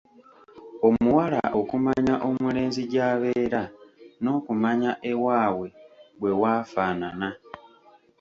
Omuwala okumanya omulenzi gy’abeera n’okumanya ewaabwe bwe w'afaanana.